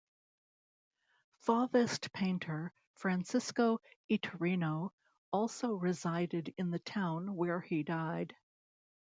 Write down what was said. Fauvist painter Francisco Iturrino also resided in the town where he died.